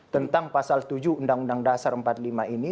tentang pasal tujuh uu dasar empat puluh lima ini